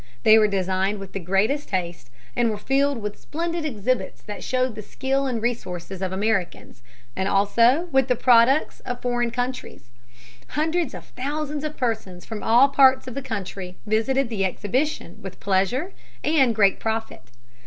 They were designed with the greatest taste, and were filled with splendid exhibits that showed the skill and resources of Americans, and also with the products of foreign countries. Hundreds of thousands of persons from all parts of the country visited the exhibition with pleasure and great profit.